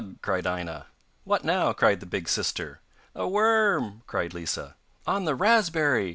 cried Aina. 'What now?' cried the big sister. 'A worm!' cried Lisa. 'On the raspberry!